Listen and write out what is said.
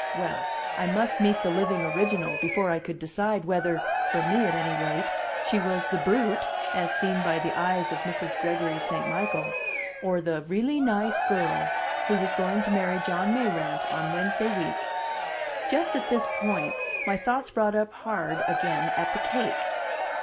Well, I must meet the living original before I could decide whether (for me, at any rate) she was the "brute" as seen by the eyes of Mrs. Gregory St. Michael, or the "really nice girl" who was going to marry John Mayrant on Wednesday week. Just at this point my thoughts brought up hard again at the cake.